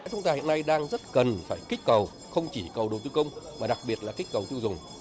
chúng ta hiện nay đang rất cần phải kích cầu không chỉ cầu đầu tư công mà đặc biệt là kích cầu tiêu dùng